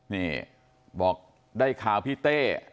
นี่บอกได้ข่าวพี่เต้